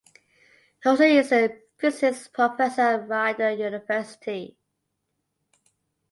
He also is a physics professor at Rider University.